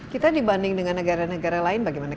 kita dibanding dengan negara negara lain bagaimana